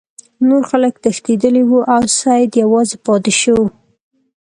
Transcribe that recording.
نور خلک تښتیدلي وو او سید یوازې پاتې شو.